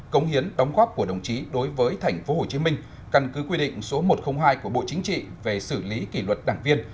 công hiến đóng góp của đồng chí đối với tp hcm căn cứ quy định số một trăm linh hai của bộ chính trị về xử lý kỷ luật đảng viên